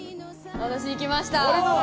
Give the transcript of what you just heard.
私行きました。